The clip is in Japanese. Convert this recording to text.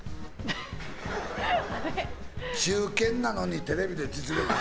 中堅なのにテレビで実力を。